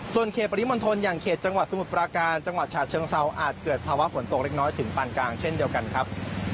ส่วนเขตปริมณฑลอย่างเขตจังหวัดสมุทรปราการจังหวัดฉะเชิงเซาอาจเกิดภาวะฝนตกเล็กน้อยถึงปานกลางเช่นเดียวกันครับ